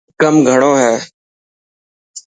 ڪم گھڻو هي.